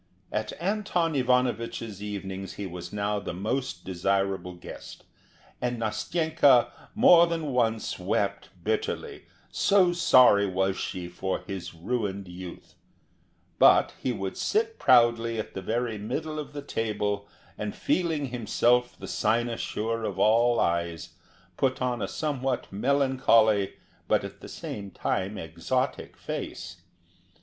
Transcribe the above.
At Anton Ivanovich's evenings he was now the most desirable guest, and Nastenka more than once wept bitterly, so sorry was she for his ruined youth; but he would sit proudly at the very middle of the table, and feeling himself the cynosure of all eyes, put on a somewhat melancholy, but at the same time exotic face.